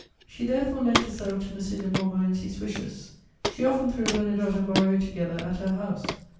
She therefore lent herself to M. de Montmorency's wishes. She often threw Bernadotte and Moreau together at her house.